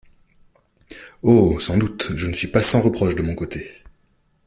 Oh ! sans doute, je ne suis pas sans reproche de mon côté.